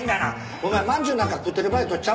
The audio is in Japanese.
お前まんじゅうなんか食ってる場合とちゃうで。